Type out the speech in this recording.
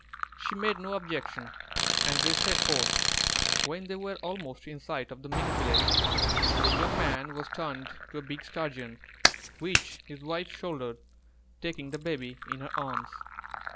She made no objection, and they set forth. When they were almost in sight of the Mink village, the young man was turned to a big Sturgeon, which his wife shouldered, taking the baby in her arms.